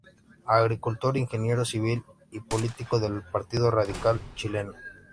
Agricultor, ingeniero civil y político del Partido Radical chileno.